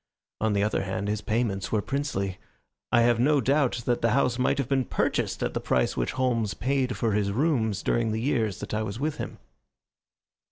On the other hand, his payments were princely. I have no doubt that the house might have been purchased at the price which Holmes paid for his rooms during the years that I was with him.